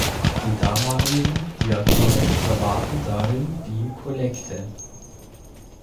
Die damaligen Diakone verwahrten darin die Kollekte.